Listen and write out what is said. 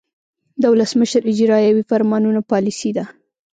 د ولسمشر اجراییوي فرمانونه پالیسي ده.